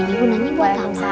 ini gunanya untuk menghapus